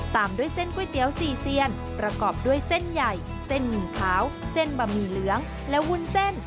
ตามด้วยเส้นก๋วยเตี๋ยวสี่เซียนประกอบด้วยเส้นใหญ่เส้นหมี่ขาวเส้นบะหมี่เหลืองและวุ้นเส้น